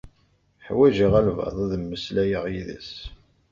Ḥwajeɣ albaɛḍ ad mmeslayeɣ yid-s.